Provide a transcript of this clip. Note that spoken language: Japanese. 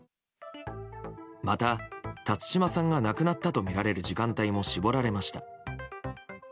また、辰島さんが亡くなったとみられる時間帯も絞られました。